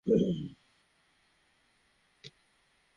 তাই মুখ বন্ধ রাখবে।